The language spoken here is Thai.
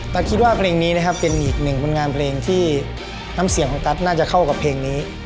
คิดว่าเพลงนี้นะครับเป็นอีกหนึ่งผลงานเพลงที่น้ำเสียงของตั๊ดน่าจะเข้ากับเพลงนี้